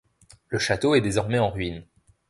Le château est désormais en ruines.